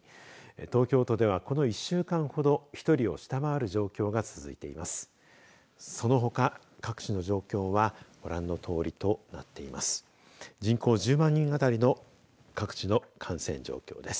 東京都では、この１週間ほど１人を下回る状況が続いています。